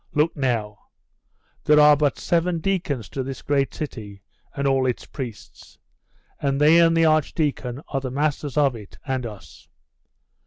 Look now; there are but seven deacons to this great city, and all its priests; and they and the archdeacon are the masters of it and us.